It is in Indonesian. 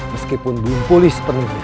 meskipun belum pulih sepenuhnya